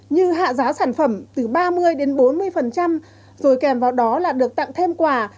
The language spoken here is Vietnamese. như hạ giá sản phẩm từ ba mươi đến bốn mươi rồi kèm vào đó là được tặng thêm quà